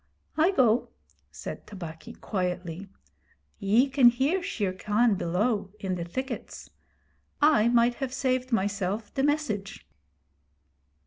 'I go,' said Tabaqui, quietly. 'Ye can hear Shere Khan below in the thickets. I might have saved myself the message.'